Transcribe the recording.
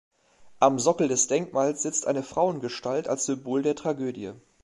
Am Sockel des Denkmals sitzt eine Frauengestalt als Symbol der Tragödie.